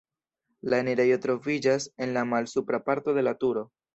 La enirejo troviĝas en la malsupra parto de la turo.